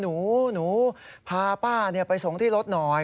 หนูพาป้าไปส่งที่รถหน่อย